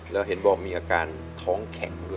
แล้วเห็นบอกมีอาการท้องแข็งด้วย